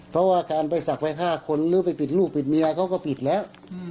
เพราะว่าการไปศักดิ์ไปฆ่าคนหรือไปปิดลูกปิดเมียเขาก็ผิดแล้ว